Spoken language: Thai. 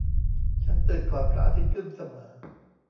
ฉันตื่นก่อนพระอาทิตย์ขึ้นเสมอ